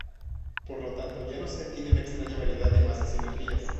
Por lo tanto, ya no se tiene la extraña variedad de masas y energías.